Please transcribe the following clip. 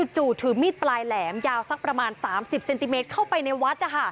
ถือมีดปลายแหลมยาวสักประมาณ๓๐เซนติเมตรเข้าไปในวัด